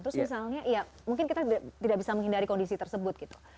terus misalnya ya mungkin kita tidak bisa menghindari kondisi tersebut gitu